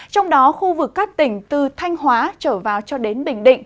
trong đó khu vực các tỉnh từ thanh hóa trở vào cho đến bình định